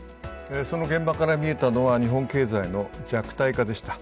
その現場から見えたのは、日本経済の弱体化でした。